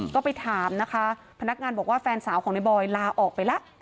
ก็ไปถามนะคะพนักงานบอกว่าแฟนสาวของในบอยลาออกไปแล้ว